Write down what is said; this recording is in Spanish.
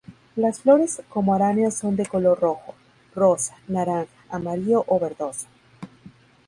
Las flores como arañas son de color rojo, rosa, naranja, amarillo o verdoso.